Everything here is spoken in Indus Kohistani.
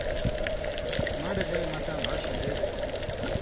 من٘ڈہۡ دېں مہ تاں بھاں شن٘دے بَیلوۡ۔